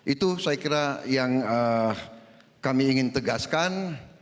itu saya kira yang kami ingin tegaskan